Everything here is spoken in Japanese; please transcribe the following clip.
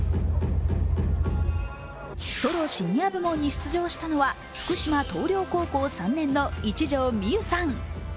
ソロシニア部門に出場したのは福島東陵高校３年の一条未悠さん。